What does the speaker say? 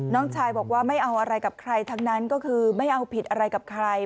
น้องชายบอกว่าไม่เอาอะไรกับใครทั้งนั้นก็คือไม่เอาผิดอะไรกับใคร